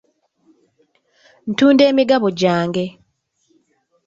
Ntunda emigabo gyange.